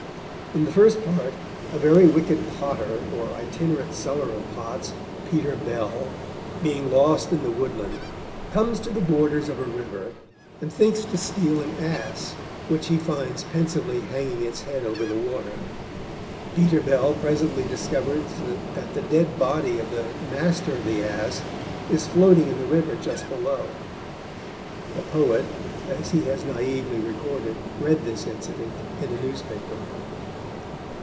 In the first part, a very wicked potter or itinerant seller of pots, Peter Bell, being lost in the woodland, comes to the borders of a river, and thinks to steal an ass which he finds pensively hanging its head over the water; Peter Bell presently discovers that the dead body of the master of the ass is floating in the river just below. (The poet, as he has naively recorded, read this incident in a newspaper.)